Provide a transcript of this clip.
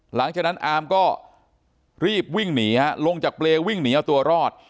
หลังจากนั้นอามก็รีบวิ่งหนีฮะลงจากเปรย์วิ่งหนีเอาตัวรอด